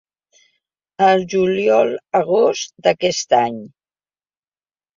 Al juliol-agost d'aquest any.